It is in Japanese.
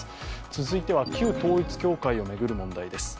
続いては旧統一教会を巡る問題です。